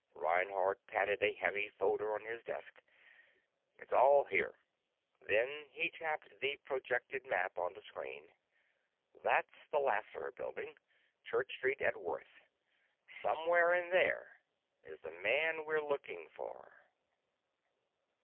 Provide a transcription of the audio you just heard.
Reinhardt patted a heavy folder on his desk. "It's all here." Then he tapped the projected map on the screen. "That's the Lasser Building Church Street at Worth. Somewhere in there is the man we're looking for."